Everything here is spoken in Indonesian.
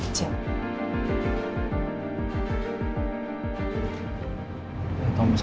aku tau masalahnya sih